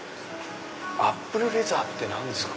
アップルレザーって何ですか？